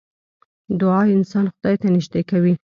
دعا انسان خدای ته نژدې کوي .